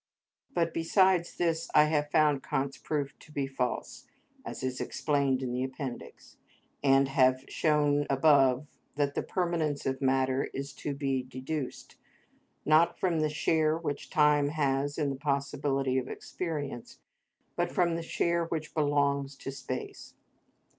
But besides this, I have found Kant's proof to be false (as is explained in the Appendix), and have shown above that the permanence of matter is to be deduced, not from the share which time has in the possibility of experience, but from the share which belongs to space.